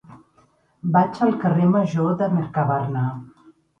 Vaig al carrer Major de Mercabarna.